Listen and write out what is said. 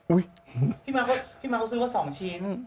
อุ๊ยพี่มาเขาซื้อว่า๒ชิ้น